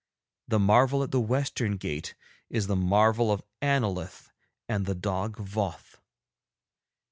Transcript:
The marvel at the western gate is the marvel of Annolith and the dog Voth.